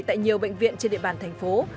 tại nhiều bệnh viện trên địa bàn thành phố